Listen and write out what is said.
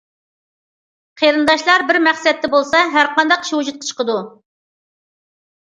قېرىنداشلار بىر مەقسەتتە بولسا، ھەرقانداق ئىش ۋۇجۇدقا چىقىدۇ.